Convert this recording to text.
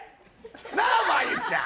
なあ真悠ちゃん。